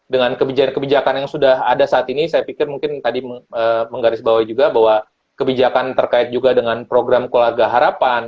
dengan kebijakan kebijakan yang sudah ada saat ini saya pikir mungkin tadi menggarisbawahi juga bahwa kebijakan terkait juga dengan program keluarga harapan